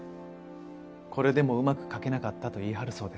これでもうまく描けなかったと言い張るそうです。